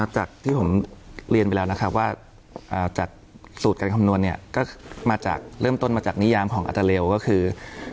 จากที่ผมเรียนไปแล้วนะครับว่าจากสูตรการคำนวณเนี่ยก็มาจากเริ่มต้นมาจากนิยามของอัตราเรลก็คือ